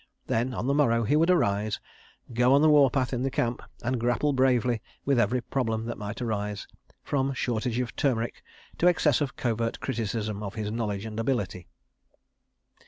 Then, on the morrow, he would arise, go on the warpath in the camp, and grapple bravely with every problem that might arise, from shortage of turmeric to excess of covert criticism of his knowledge and ability.